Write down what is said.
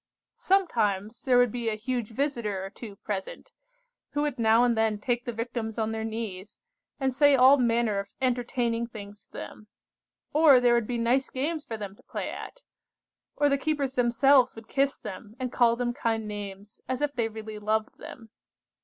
"Sometimes there would be a huge visitor or two present, who would now and then take the Victims on their knees, and say all manner of entertaining things to them. Or there would be nice games for them to play at. Or the keepers themselves would kiss them, and call them kind names, as if they really loved them.